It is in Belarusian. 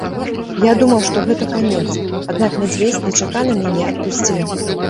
Я думаў, што гэта канец, аднак мядзведзь нечакана мяне адпусціў.